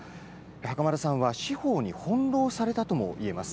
袴田さんは司法に翻弄されたともいえます。